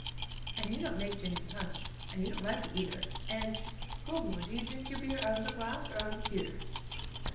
And you don't make gin punch, and you don't like it either and Goldmore do you drink your beer out of the glass, or out of the pewter?'